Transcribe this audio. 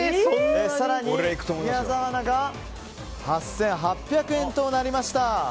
更に、宮澤アナが８８００円となりました。